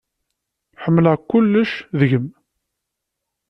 Ḥemmleɣ kullec deg-m.